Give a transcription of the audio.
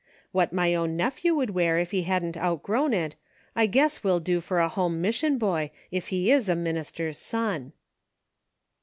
What my own nephew would wear if he hadn't outgrown it, I guess will do for a home mission boy, if he is a minister's son."